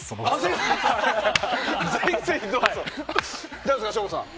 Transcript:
いかがですか、省吾さん。